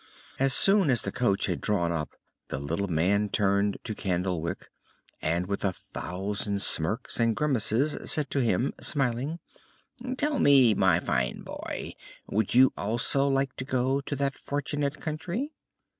As soon as the coach had drawn up the little man turned to Candlewick and with a thousand smirks and grimaces said to him, smiling: "Tell me, my fine boy, would you also like to go to that fortunate country?"